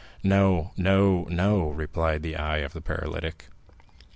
"No, no, no," replied the eye of the paralytic.